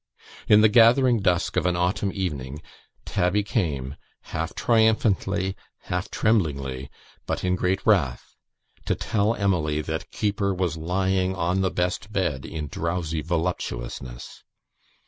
In the gathering dusk of an autumn evening, Tabby came, half triumphantly, half tremblingly, but in great wrath, to tell Emily that Keeper was lying on the best bed, in drowsy voluptuousness.